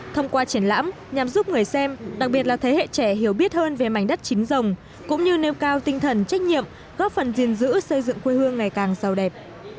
thông qua triển lãm nhằm giúp người xem đặc biệt là thế hệ trẻ hiểu biết hơn về mảnh đất chính rồng cũng như nêu cao tinh thần trách nhiệm góp phần gìn giữ xây dựng quê hương ngày càng giàu đẹp